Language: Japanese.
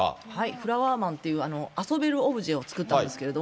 フラワーマンという遊べるオブジェを作ったんですけれども。